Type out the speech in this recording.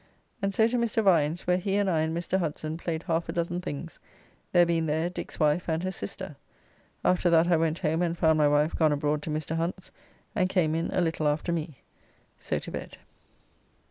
And so to Mr. Vines, where he and I and Mr. Hudson played half a dozen things, there being there Dick's wife and her sister. After that I went home and found my wife gone abroad to Mr. Hunt's, and came in a little after me. So to bed.